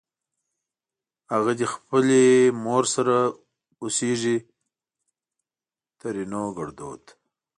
اغه دې خپلې مور سره اوسېږ؛ ترينو ګړدود